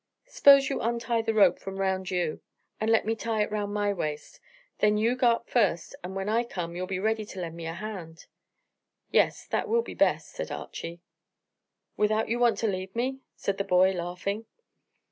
S'pose you untie the rope from round you, and let me tie it round my waist. Then you go up first, and when I come, you'll be ready to lend me a hand." "Yes, that will be best," said Archy. "Without you want to leave me?" said the boy, laughing.